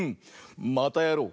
またやろう！